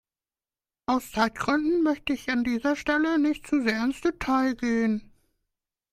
Aus Zeitgründen möchte ich an dieser Stelle nicht zu sehr ins Detail gehen.